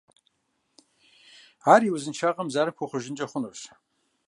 Ар и узыншагъэм зэран хуэхъужынкӀэ хъунущ.